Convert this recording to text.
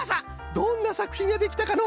どんなさくひんができたかの？